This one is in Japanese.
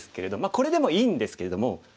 これでもいいんですけれども。